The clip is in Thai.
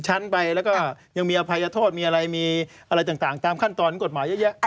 ชั้นไปแล้วก็ยังมีอภัยโทษมีอะไรมีอะไรต่างตามขั้นตอนกฎหมายเยอะแยะ